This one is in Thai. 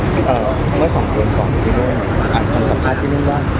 เมื่อสองคนของพี่โน้นอ่านคำสัมภาษณ์พี่โน้นได้